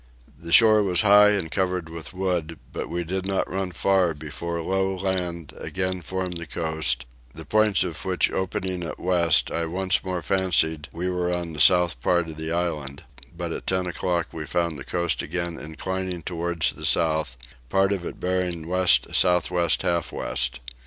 The shore was high and covered with wood, but we did not run far before low land again formed the coast, the points of which opening at west I once more fancied we were on the south part of the island; but at ten o'clock we found the coast again inclining towards the south, part of it bearing west south west half west.